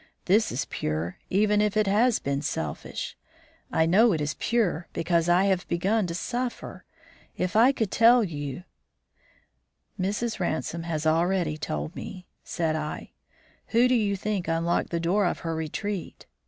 This is pure, even if it has been selfish. I know it is pure, because I have begun to suffer. If I could tell you "Mrs. Ransome has already told me," said I. "Who do you think unlocked the door of her retreat?